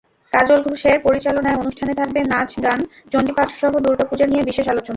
কাজল ঘোষের পরিচালনায় অনুষ্ঠানে থাকবে নাচ, গান, চণ্ডীপাঠসহ দুর্গাপূজা নিয়ে বিশেষ আলোচনা।